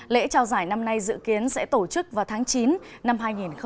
lễ trao giải năm nay dự kiến sẽ tổ chức vào tháng chín năm hai nghìn hai mươi